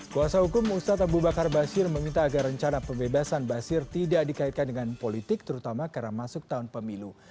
kuasa hukum ustadz abu bakar basir meminta agar rencana pembebasan basir tidak dikaitkan dengan politik terutama karena masuk tahun pemilu